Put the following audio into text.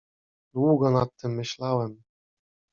Długo nad tym myślałem.